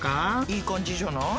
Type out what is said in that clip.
いい感じじゃない？